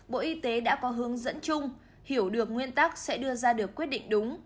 bộ y tế đã có hướng dẫn chung hiểu được nguyên tắc sẽ đưa ra được quyết định đúng